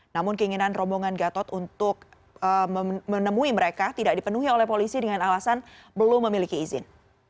namun keinginan rombongan gatot untuk menemui mereka tidak dipenuhi oleh polisi dengan alasan belum memiliki izin